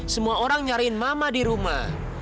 semua orang nyariin mama di rumah